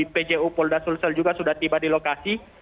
pju polda sulsel juga sudah tiba di lokasi